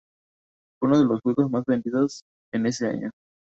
Fue uno de los juegos más vendidos en ese año.